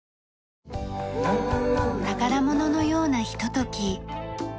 宝物のようなひととき。